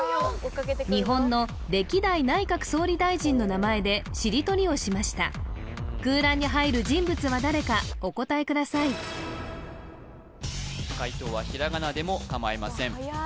日本の歴代内閣総理大臣の名前でしりとりをしました空欄に入る人物は誰かお答えください解答はひらがなでもかまいません